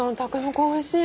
筍おいしい。